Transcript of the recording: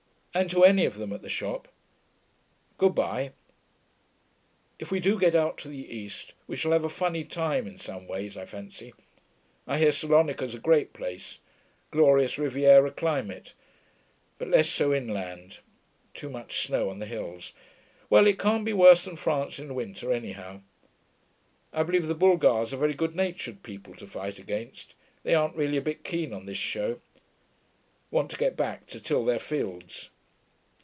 And to any of them at the shop.... Good bye.... If we do get out to the East, we shall have a funny time in some ways, I fancy. I hear Salonika's a great place; glorious riviera climate. But less so inland; too much snow on the hills. Well, it can't be worse than France in winter, anyhow. I believe the Bulgars are very good natured people to fight against; they aren't really a bit keen on this show.... Want to get back to till their fields....'